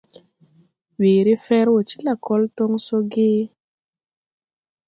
Weere fer wo ti lakol toŋ so ge?